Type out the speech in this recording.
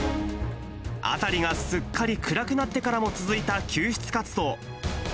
辺りがすっかり暗くなってからも続いた救出活動。